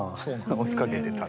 追いかけてた。